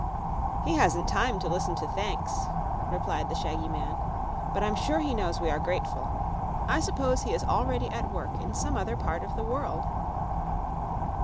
"He hasn't time to listen to thanks," replied the shaggy man; "but I'm sure he knows we are grateful. I suppose he is already at work in some other part of the world."